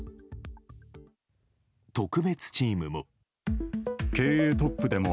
特別チームも。